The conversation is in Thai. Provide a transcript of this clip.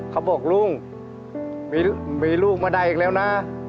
เขาบอกลุงมีลูกมาได้อย่างเร็วนะ